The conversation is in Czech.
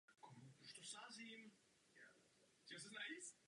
Titul potvrdila v Monaku na světovém atletickém finále.